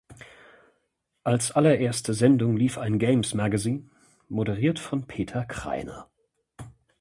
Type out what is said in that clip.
Als allererste Sendung lief ein Games Magazine moderiert von Peter Krainer.